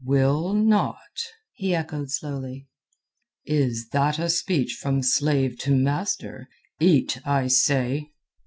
"Will not?" he echoed slowly. "Is that a speech from slave to master? Eat, I say."